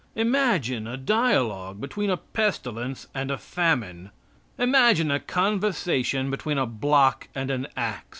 Imagine a dialogue between a pestilence and a famine! Imagine a conversation between a block and an ax!